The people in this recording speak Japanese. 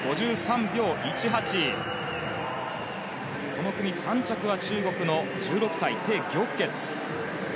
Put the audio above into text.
この組３着は中国の１６歳テイ・ギョクケツ。